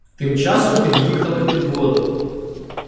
Тим часом під'їхали підводи.